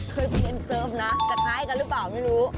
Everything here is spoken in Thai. เคยไปเล่นเซิร์ฟนะแต่ท้ายกันหรือเปล่าไม่รู้